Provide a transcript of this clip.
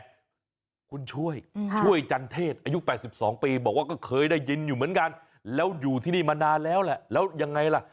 คุณช่วยช่วยจันเทศอายุ๘๒ปีบอกว่าก็เคยได้ยินอยู่เหมือนกันแล้วอยู่ที่นี่มานานแล้วแหละแล้วยังไงล่ะ